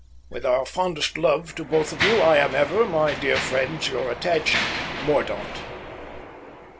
"With our fondest love to both of you, I am ever, my dear friends, your attached "MORDAUNT."